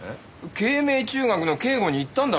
慶明中学の警護に行ったんだろ？